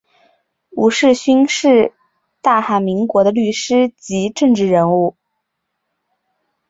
吴世勋是大韩民国的律师及政治人物。